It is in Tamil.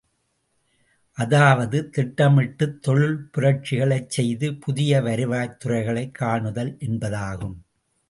அதாவது திட்டமிட்டுத் தொழில் புரட்சிகளைச் செய்து புதிய வருவாய்த் துறைகளைக் காணுதல் என்பதாகும்.